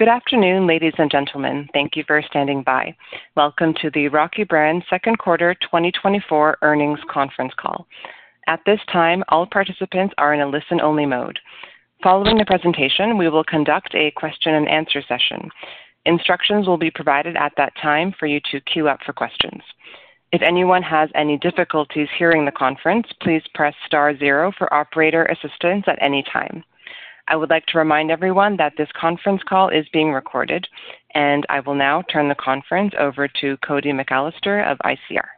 Good afternoon, ladies and gentlemen. Thank you for standing by. Welcome to the Rocky Brands Second Quarter 2024 Earnings Conference Call. At this time, all participants are in a listen-only mode. Following the presentation, we will conduct a question-and-answer session. Instructions will be provided at that time for you to queue up for questions. If anyone has any difficulties hearing the conference, please press star zero for operator assistance at any time. I would like to remind everyone that this conference call is being recorded, and I will now turn the conference over to Cody McAllister of ICR.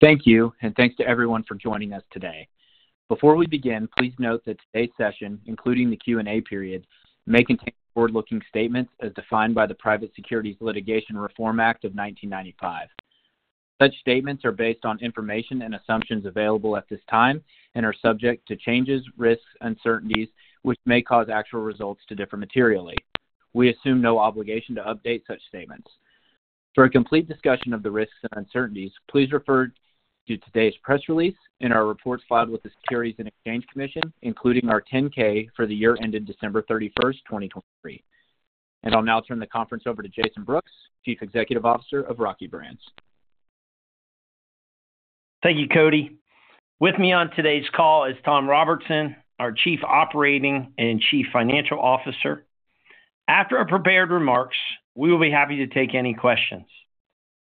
Thank you, and thanks to everyone for joining us today. Before we begin, please note that today's session, including the Q&A period, may contain forward-looking statements as defined by the Private Securities Litigation Reform Act of 1995. Such statements are based on information and assumptions available at this time and are subject to changes, risks, uncertainties, which may cause actual results to differ materially. We assume no obligation to update such statements. For a complete discussion of the risks and uncertainties, please refer to today's press release and our reports filed with the Securities and Exchange Commission, including our 10-K for the year ended December 31, 2023. I'll now turn the conference over to Jason Brooks, Chief Executive Officer of Rocky Brands. Thank you, Cody. With me on today's call is Tom Robertson, our Chief Operating and Chief Financial Officer. After our prepared remarks, we will be happy to take any questions.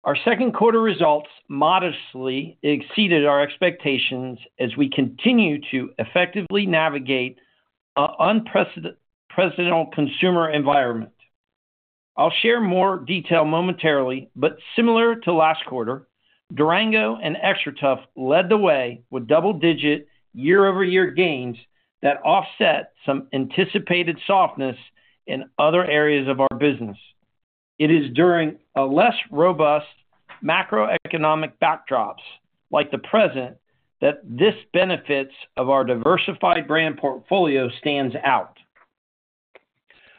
Our second quarter results modestly exceeded our expectations as we continue to effectively navigate an unprecedented consumer environment. I'll share more detail momentarily, but similar to last quarter, Durango and XTRATUF led the way with double-digit year-over-year gains that offset some anticipated softness in other areas of our business. It is during a less robust macroeconomic backdrop, like the present, that the benefits of our diversified brand portfolio stand out.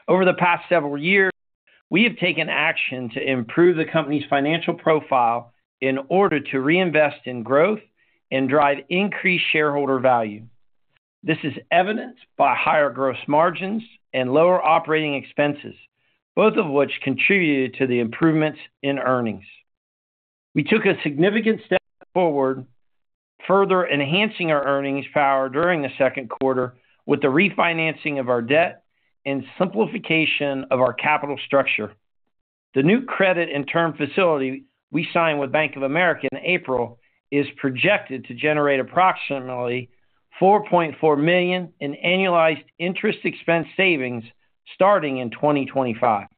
Over the past several years, we have taken action to improve the company's financial profile in order to reinvest in growth and drive increased shareholder value. This is evidenced by higher gross margins and lower operating expenses, both of which contributed to the improvements in earnings. We took a significant step forward, further enhancing our earnings power during the second quarter with the refinancing of our debt and simplification of our capital structure. The new credit and term facility we signed with Bank of America in April is projected to generate approximately $4.4 million in annualized interest expense savings starting in 2025.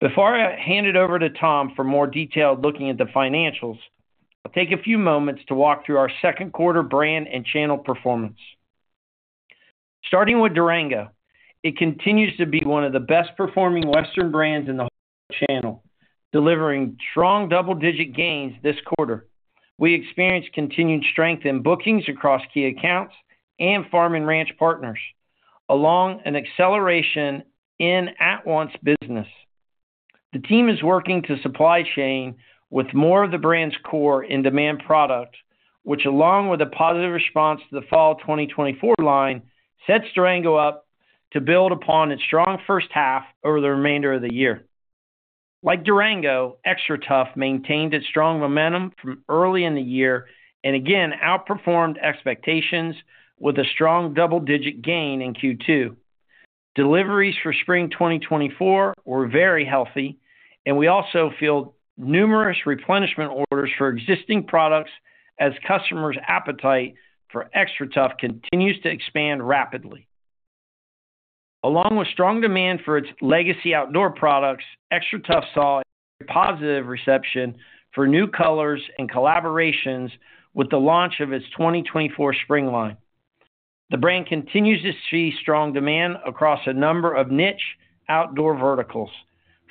Before I hand it over to Tom for more detailed looking at the financials, I'll take a few moments to walk through our second quarter brand and channel performance. Starting with Durango, it continues to be one of the best-performing Western brands in the whole channel, delivering strong double-digit gains this quarter. We experienced continued strength in bookings across key accounts and farm and ranch partners, along an acceleration in at-once business. The team is working to supply the chain with more of the brand's core in demand product, which, along with a positive response to the Fall 2024 line, sets Durango up to build upon its strong first half over the remainder of the year. Like Durango, XTRATUF maintained its strong momentum from early in the year and again outperformed expectations with a strong double-digit gain in Q2. Deliveries for Spring 2024 were very healthy, and we also filled numerous replenishment orders for existing products as customers' appetite for XTRATUF continues to expand rapidly. Along with strong demand for its legacy outdoor products, XTRATUF saw a positive reception for new colors and collaborations with the launch of its 2024 spring line. The brand continues to see strong demand across a number of niche outdoor verticals,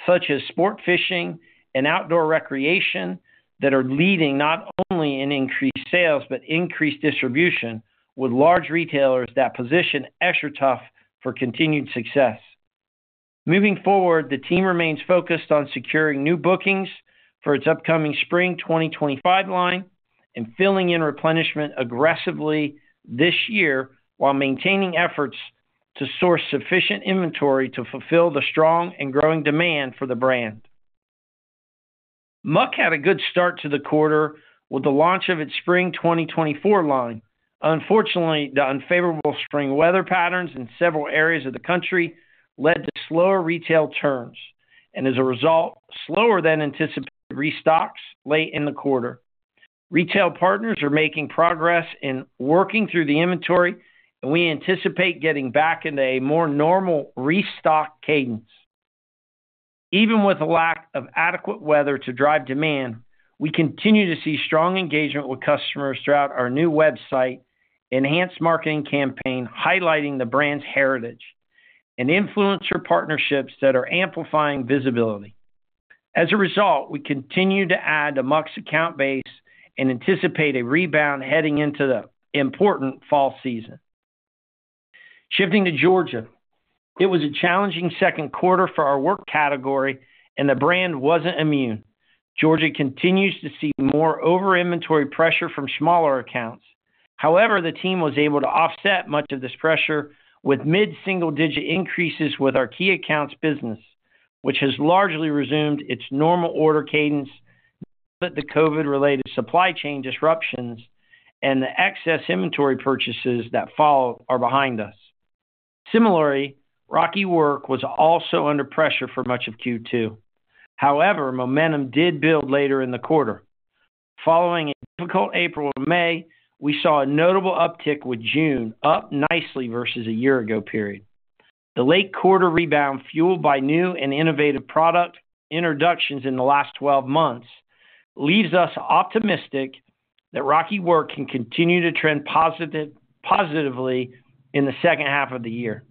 such as sport fishing and outdoor recreation, that are leading not only in increased sales, but increased distribution with large retailers that position XTRATUF for continued success. Moving forward, the team remains focused on securing new bookings for its upcoming spring 2025 line and filling in replenishment aggressively this year while maintaining efforts to source sufficient inventory to fulfill the strong and growing demand for the brand. Muck had a good start to the quarter with the launch of its spring 2024 line. Unfortunately, the unfavorable spring weather patterns in several areas of the country led to slower retail turns and, as a result, slower than anticipated restocks late in the quarter. Retail partners are making progress in working through the inventory, and we anticipate getting back into a more normal restock cadence. Even with the lack of adequate weather to drive demand, we continue to see strong engagement with customers throughout our new website, enhanced marketing campaign, highlighting the brand's heritage and influencer partnerships that are amplifying visibility. As a result, we continue to add to Muck's account base and anticipate a rebound heading into the important fall season. Shifting to Georgia, it was a challenging second quarter for our work category, and the brand wasn't immune. Georgia continues to see more over-inventory pressure from smaller accounts. However, the team was able to offset much of this pressure with mid-single-digit increases with our key accounts business, which has largely resumed its normal order cadence, now that the COVID-related supply chain disruptions and the excess inventory purchases that followed are behind us. Similarly, Rocky Work was also under pressure for much of Q2. However, momentum did build later in the quarter. Following a difficult April and May, we saw a notable uptick with June, up nicely versus a year-ago period. The late-quarter rebound, fueled by new and innovative product introductions in the last 12 months, leaves us optimistic that Rocky Work can continue to trend positively in the second half of the year.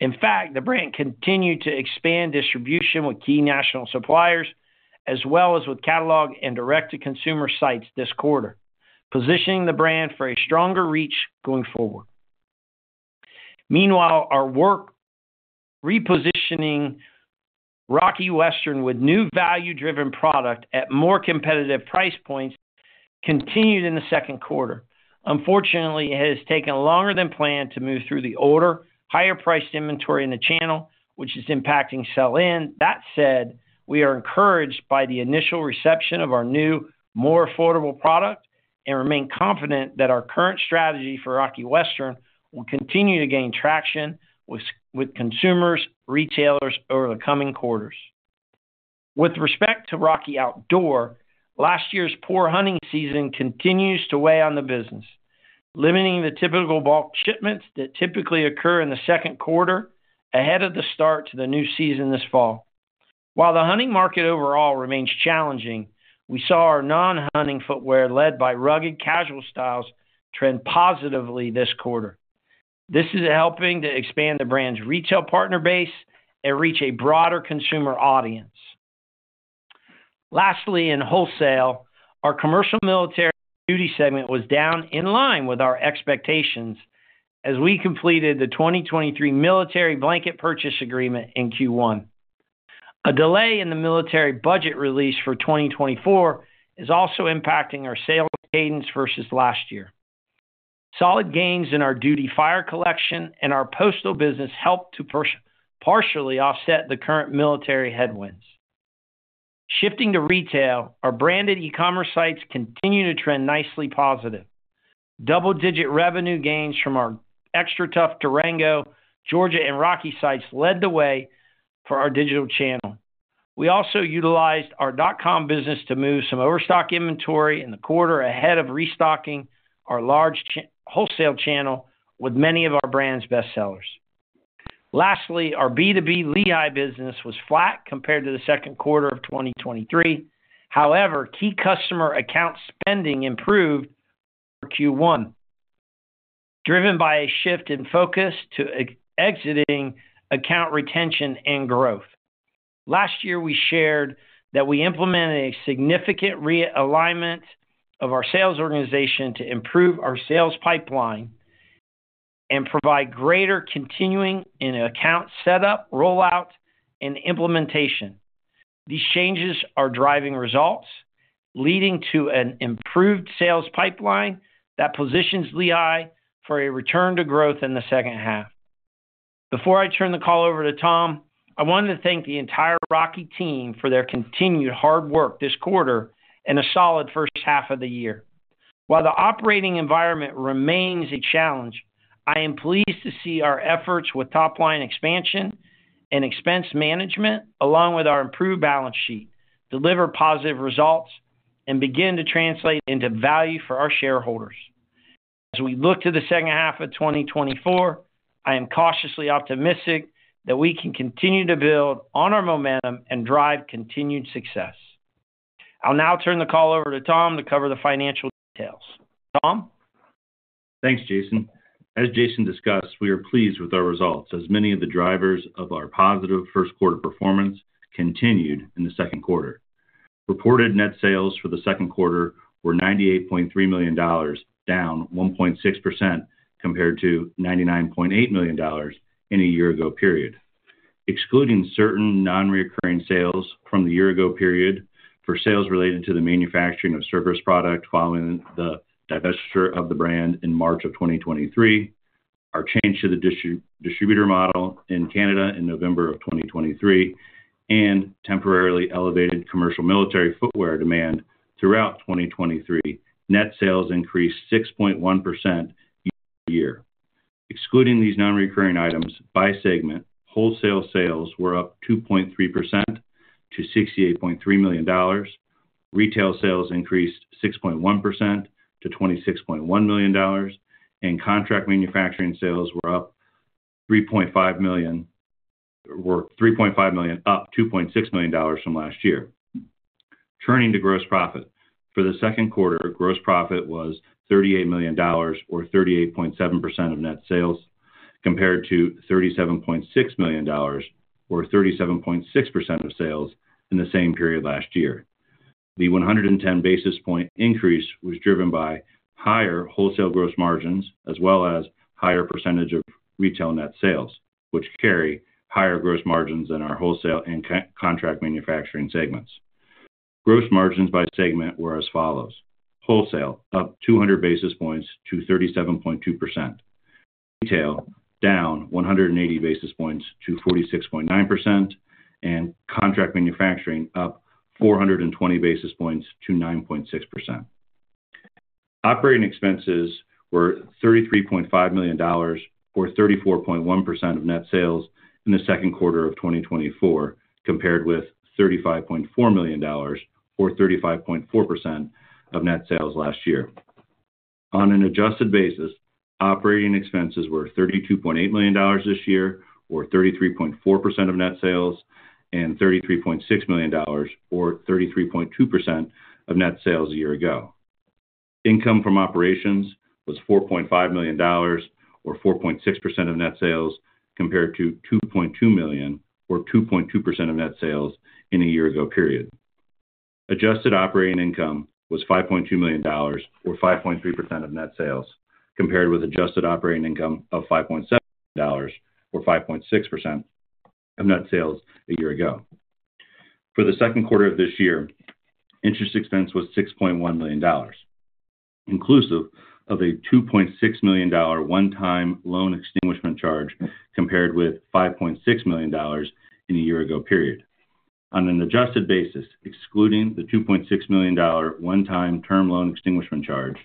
In fact, the brand continued to expand distribution with key national suppliers, as well as with catalog and direct-to-consumer sites this quarter, positioning the brand for a stronger reach going forward. Meanwhile, our work repositioning Rocky Western with new value-driven product at more competitive price points continued in the second quarter. Unfortunately, it has taken longer than planned to move through the older, higher-priced inventory in the channel, which is impacting sell-in. That said, we are encouraged by the initial reception of our new, more affordable product, and remain confident that our current strategy for Rocky Western will continue to gain traction with consumers, retailers over the coming quarters. With respect to Rocky Outdoor, last year's poor hunting season continues to weigh on the business, limiting the typical bulk shipments that typically occur in the second quarter ahead of the start to the new season this fall. While the hunting market overall remains challenging, we saw our non-hunting footwear, led by rugged casual styles, trend positively this quarter. This is helping to expand the brand's retail partner base and reach a broader consumer audience. Lastly, in wholesale, our commercial military duty segment was down in line with our expectations as we completed the 2023 military Blanket Purchase Agreement in Q1. A delay in the military budget release for 2024 is also impacting our sales cadence versus last year. Solid gains in our Duty Fire Collection and our postal business helped to partially offset the current military headwinds. Shifting to retail, our branded e-commerce sites continue to trend nicely positive. Double-digit revenue gains from our XTRATUF, Durango, Georgia, and Rocky sites led the way for our digital channel. We also utilized our dot-com business to move some overstock inventory in the quarter ahead of restocking our large wholesale channel with many of our brand's best sellers. Lastly, our B2B Lehigh business was flat compared to the second quarter of 2023. However, key customer account spending improved for Q1, driven by a shift in focus to existing account retention and growth. Last year, we shared that we implemented a significant realignment of our sales organization to improve our sales pipeline and provide greater continuity in account setup, rollout, and implementation. These changes are driving results, leading to an improved sales pipeline that positions Lehigh for a return to growth in the second half. Before I turn the call over to Tom, I wanted to thank the entire Rocky team for their continued hard work this quarter and a solid first half of the year. While the operating environment remains a challenge, I am pleased to see our efforts with top-line expansion and expense management, along with our improved balance sheet, deliver positive results and begin to translate into value for our shareholders. As we look to the second half of 2024, I am cautiously optimistic that we can continue to build on our momentum and drive continued success. I'll now turn the call over to Tom to cover the financial details. Tom? Thanks, Jason. As Jason discussed, we are pleased with our results, as many of the drivers of our positive first quarter performance continued in the second quarter. Reported net sales for the second quarter were $98.3 million, down 1.6%, compared to $99.8 million in a year ago period. Excluding certain non-recurring sales from the year ago period for sales related to the manufacturing of Servus product following the divestiture of the brand in March 2023, our change to the distributor model in Canada in November 2023, and temporarily elevated commercial military footwear demand throughout 2023, net sales increased 6.1% year-over-year. Excluding these non-recurring items by segment, wholesale sales were up 2.3% to $68.3 million. Retail sales increased 6.1% to $26.1 million, and contract manufacturing sales were $3.5 million, up $2.6 million from last year. Turning to gross profit. For the second quarter, gross profit was $38 million, or 38.7% of net sales, compared to $37.6 million, or 37.6% of sales in the same period last year. The 110 basis point increase was driven by higher wholesale gross margins, as well as higher percentage of retail net sales, which carry higher gross margins than our wholesale and contract manufacturing segments. Gross margins by segment were as follows: wholesale, up 200 basis points to 37.2%. Retail, down 180 basis points to 46.9%, and contract manufacturing up 420 basis points to 9.6%. Operating expenses were $33.5 million, or 34.1% of net sales in the second quarter of 2024, compared with $35.4 million, or 35.4% of net sales last year. On an adjusted basis, operating expenses were $32.8 million this year, or 33.4% of net sales, and $33.6 million, or 33.2% of net sales a year ago. Income from operations was $4.5 million, or 4.6% of net sales, compared to $2.2 million, or 2.2% of net sales in a year ago period. Adjusted operating income was $5.2 million, or 5.3% of net sales, compared with adjusted operating income of $5.7 million, or 5.6% of net sales a year ago. For the second quarter of this year, interest expense was $6.1 million, inclusive of a $2.6 million one-time loan extinguishment charge, compared with $5.6 million in a year ago period. On an adjusted basis, excluding the $2.6 million one-time term loan extinguishment charge,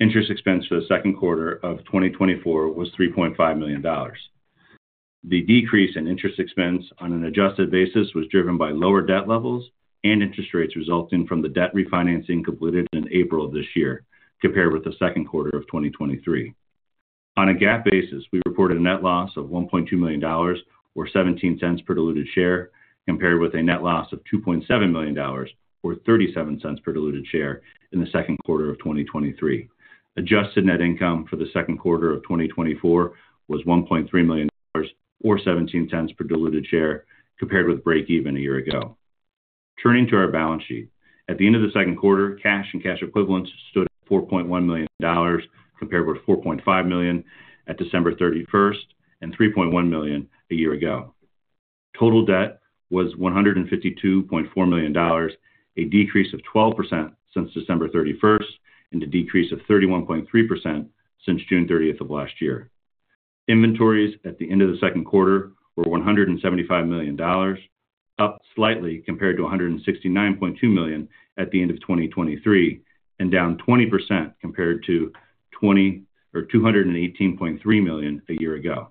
interest expense for the second quarter of 2024 was $3.5 million. The decrease in interest expense on an adjusted basis was driven by lower debt levels and interest rates resulting from the debt refinancing completed in April of this year, compared with the second quarter of 2023. On a GAAP basis, we reported a net loss of $1.2 million, or $0.17 per diluted share, compared with a net loss of $2.7 million, or $0.37 per diluted share in the second quarter of 2023. Adjusted net income for the second quarter of 2024 was $1.3 million, or $0.17 per diluted share, compared with break even a year ago. Turning to our balance sheet. At the end of the second quarter, cash and cash equivalents stood at $4.1 million, compared with $4.5 million at December thirty-first, and $3.1 million a year ago. Total debt was $152.4 million, a decrease of 12% since December thirty-first, and a decrease of 31.3% since June thirtieth of last year. Inventories at the end of the second quarter were $175 million, up slightly compared to $169.2 million at the end of 2023, and down 20% compared to $218.3 million a year ago.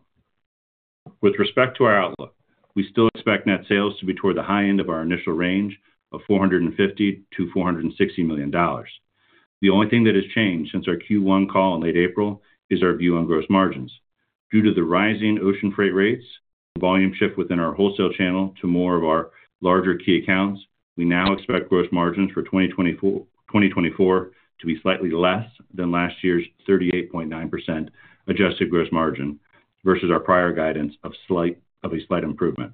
With respect to our outlook, we still expect net sales to be toward the high end of our initial range of $450 million-$460 million. The only thing that has changed since our Q1 call in late April is our view on gross margins. Due to the rising ocean freight rates, volume shift within our wholesale channel to more of our larger key accounts, we now expect gross margins for 2024 to be slightly less than last year's 38.9% adjusted gross margin versus our prior guidance of a slight improvement.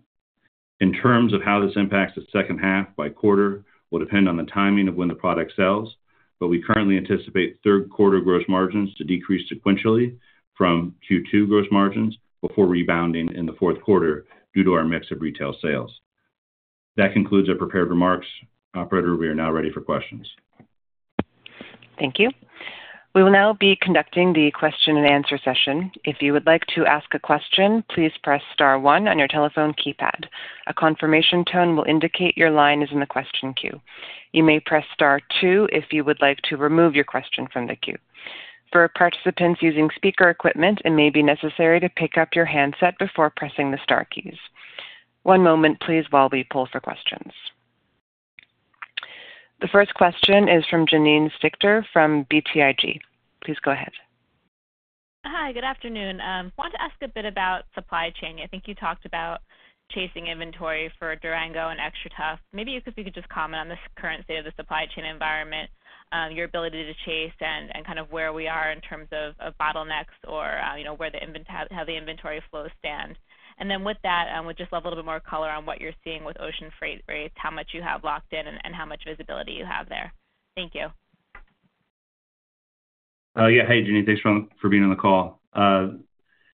In terms of how this impacts the second half by quarter, will depend on the timing of when the product sells, but we currently anticipate third quarter gross margins to decrease sequentially from Q2 gross margins before rebounding in the fourth quarter due to our mix of retail sales. That concludes our prepared remarks. Operator, we are now ready for questions. Thank you. We will now be conducting the question and answer session. If you would like to ask a question, please press star one on your telephone keypad. A confirmation tone will indicate your line is in the question queue. You may press star two if you would like to remove your question from the queue. For participants using speaker equipment, it may be necessary to pick up your handset before pressing the star keys. One moment, please, while we pull for questions. The first question is from Janine Stichter from BTIG. Please go ahead. Hi, good afternoon. Wanted to ask a bit about supply chain. I think you talked about chasing inventory for Durango and XTRATUF. Maybe if you could just comment on the current state of the supply chain environment, your ability to chase and kind of where we are in terms of bottlenecks or, you know, how the inventory flow stands. And then with that, would just love a little bit more color on what you're seeing with ocean freight rates, how much you have locked in and how much visibility you have there. Thank you. Yeah. Hey, Janine, thanks for being on the call.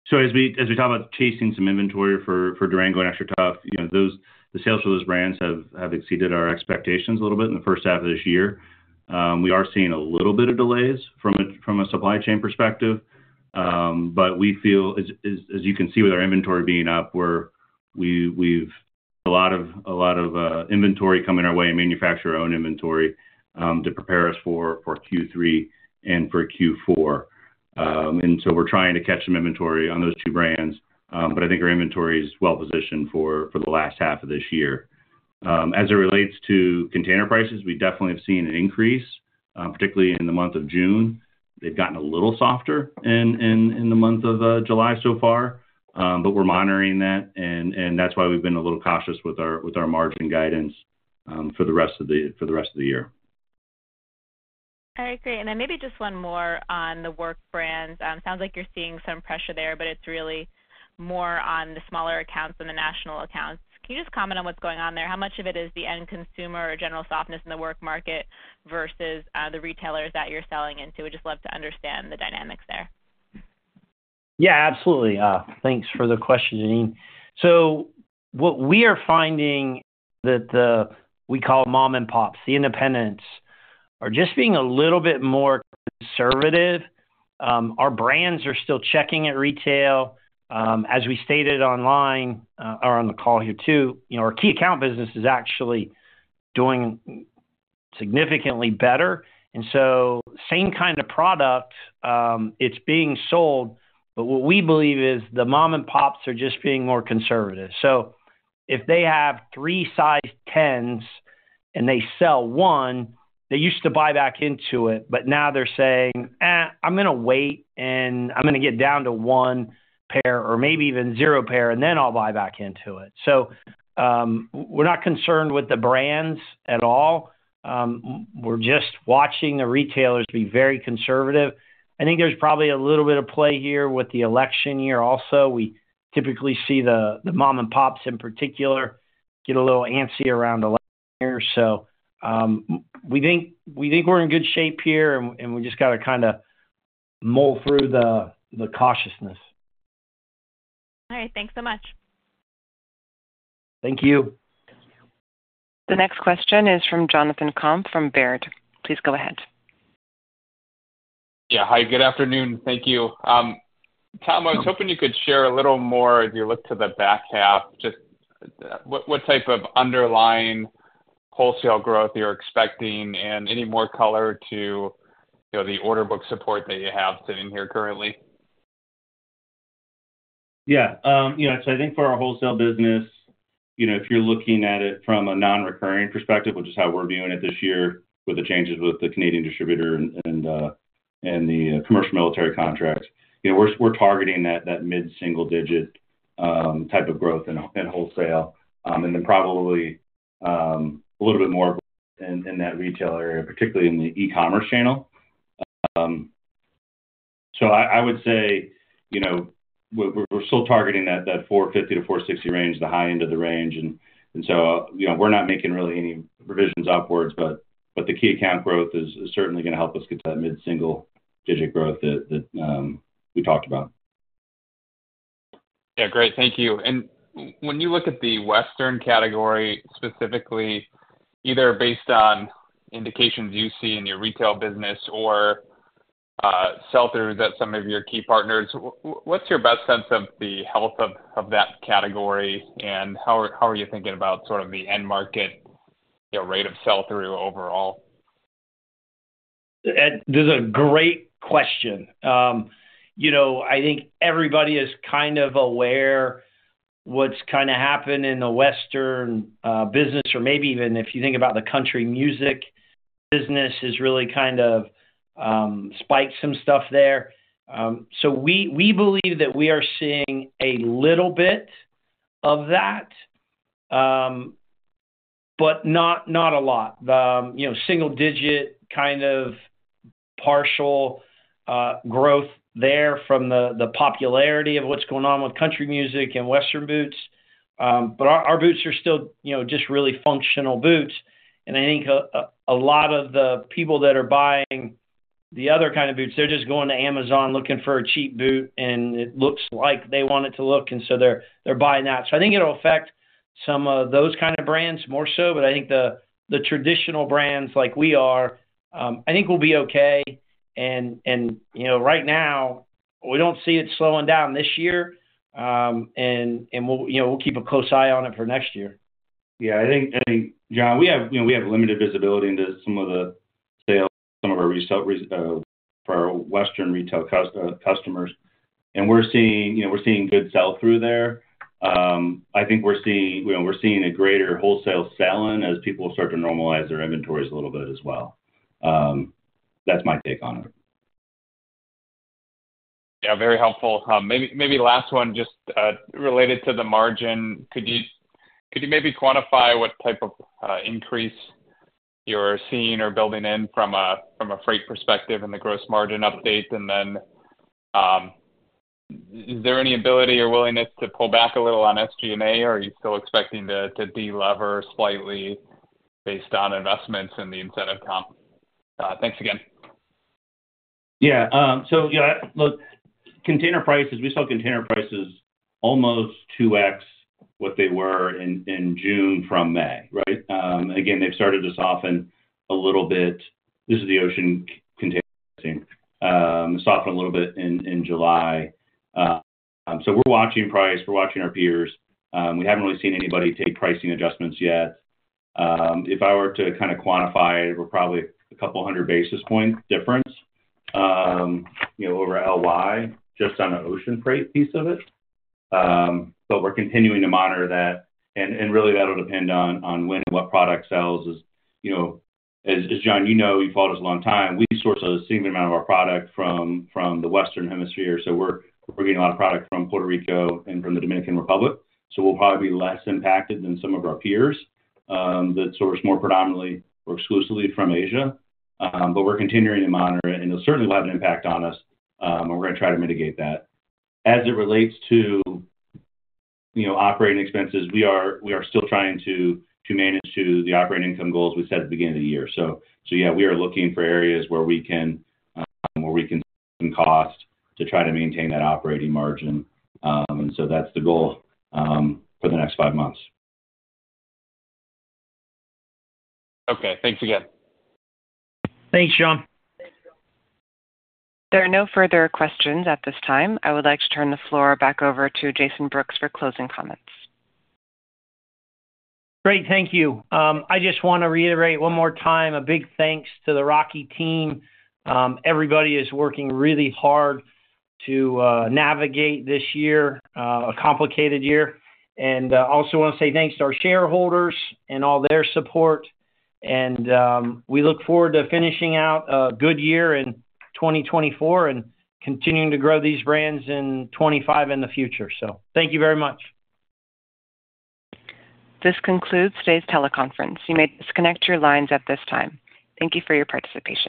So as we talk about chasing some inventory for Durango and XTRATUF, you know, the sales for those brands have exceeded our expectations a little bit in the first half of this year. We are seeing a little bit of delays from a supply chain perspective, but we feel as you can see with our inventory being up, we have a lot of inventory coming our way and manufacture our own inventory to prepare us for Q3 and Q4. And so we're trying to catch some inventory on those two brands, but I think our inventory is well positioned for the last half of this year. As it relates to container prices, we definitely have seen an increase, particularly in the month of June. They've gotten a little softer in the month of July so far, but we're monitoring that, and that's why we've been a little cautious with our margin guidance, for the rest of the year. All right, great. And then maybe just one more on the work brands. Sounds like you're seeing some pressure there, but it's really more on the smaller accounts than the national accounts. Can you just comment on what's going on there? How much of it is the end consumer or general softness in the work market versus the retailers that you're selling into? Would just love to understand the dynamics there. Yeah, absolutely. Thanks for the question, Janine. So what we are finding that the, we call mom-and-pops, the independents, are just being a little bit more conservative. Our brands are still checking at retail. As we stated online, or on the call here, too, you know, our key account business is actually doing significantly better. And so same kind of product, it's being sold, but what we believe is the mom-and-pops are just being more conservative. So if they have three size tens and they sell one, they used to buy back into it, but now they're saying, "Eh, I'm gonna wait, and I'm gonna get down to one pair or maybe even zero pair, and then I'll buy back into it." So, we're not concerned with the brands at all. We're just watching the retailers be very conservative. I think there's probably a little bit of play here with the election year also. We typically see the mom-and-pops, in particular, get a little antsy around election year. So, we think we're in good shape here, and we just gotta kinda mull through the cautiousness. All right, thanks so much. Thank you. The next question is from Jonathan Komp, from Baird. Please go ahead. Yeah. Hi, good afternoon. Thank you. Tom, I was hoping you could share a little more, as you look to the back half, just, what, what type of underlying wholesale growth you're expecting, and any more color to, you know, the order book support that you have sitting here currently? Yeah. You know, so I think for our wholesale business, you know, if you're looking at it from a non-recurring perspective, which is how we're viewing it this year, with the changes with the Canadian distributor and the commercial military contract, you know, we're targeting that mid-single digit type of growth in wholesale, and then probably a little bit more in that retail area, particularly in the e-commerce channel. So I would say, you know, we're still targeting that $450-$460 range, the high end of the range. And so, you know, we're not making really any revisions upwards, but the key account growth is certainly gonna help us get to that mid-single digit growth that we talked about. Yeah, great. Thank you. When you look at the western category, specifically, either based on indications you see in your retail business or sell-through that some of your key partners, what's your best sense of the health of that category, and how are you thinking about sort of the end market, you know, rate of sell-through overall? This is a great question. You know, I think everybody is kind of aware what's kinda happened in the western business, or maybe even if you think about the country music business, has really kind of spiked some stuff there. So we believe that we are seeing a little bit of that, but not a lot. You know, single digit, kind of, partial growth there from the popularity of what's going on with country music and western boots. But our boots are still, you know, just really functional boots, and I think a lot of the people that are buying the other kind of boots, they're just going to Amazon looking for a cheap boot, and it looks like they want it to look, and so they're buying that. So I think it'll affect some of those kind of brands more so, but I think the traditional brands, like we are, I think we'll be okay. And, you know, right now, we don't see it slowing down this year. And we'll, you know, we'll keep a close eye on it for next year. Yeah, I think, I think, John, we have, you know, we have limited visibility into some of the sales, some of our retail resellers for our western retail customers, and we're seeing, you know, we're seeing good sell-through there. I think we're seeing... Well, we're seeing a greater wholesale sell-in as people start to normalize their inventories a little bit as well. That's my take on it. Yeah, very helpful. Maybe last one, just related to the margin. Could you maybe quantify what type of increase you're seeing or building in from a freight perspective and the gross margin update? And then, is there any ability or willingness to pull back a little on SG&A, or are you still expecting to de-lever slightly based on investments in the incentive comp? Thanks again. Yeah, so, yeah, look, container prices, we saw container prices almost 2x what they were in June from May, right? Again, they've started to soften a little bit. This is the ocean container thing, softened a little bit in July. So we're watching price, we're watching our peers. We haven't really seen anybody take pricing adjustments yet. If I were to kind of quantify it, we're probably a couple hundred basis points difference, you know, over LY, just on the ocean freight piece of it. But we're continuing to monitor that, and really, that'll depend on when and what product sells as, you know, as John, you know, you've followed us a long time. We source a significant amount of our product from the Western Hemisphere, so we're getting a lot of product from Puerto Rico and from the Dominican Republic. So we'll probably be less impacted than some of our peers that source more predominantly or exclusively from Asia. But we're continuing to monitor it, and it'll certainly have an impact on us, and we're gonna try to mitigate that. As it relates to, you know, operating expenses, we are still trying to manage to the operating income goals we set at the beginning of the year. So yeah, we are looking for areas where we can cost to try to maintain that operating margin. And so that's the goal for the next five months. Okay. Thanks again. Thanks, John. There are no further questions at this time. I would like to turn the floor back over to Jason Brooks for closing comments. Great. Thank you. I just wanna reiterate one more time, a big thanks to the Rocky team. Everybody is working really hard to navigate this year, a complicated year. And I also wanna say thanks to our shareholders and all their support. And we look forward to finishing out a good year in 2024, and continuing to grow these brands in 2025 and the future. So thank you very much. This concludes today's teleconference. You may disconnect your lines at this time. Thank you for your participation.